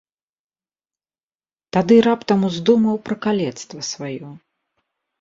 Тады раптам уздумаў пра калецтва сваё.